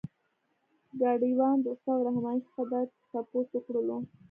ګاډی وان د استاد رحماني څخه دا تپوس وکړلو.